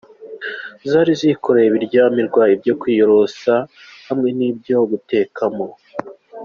Zari zikoreye ibiryamirwa, ibyo kwiyorosa hamwe n’ibyo gutekamo.